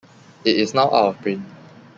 It is now out of print.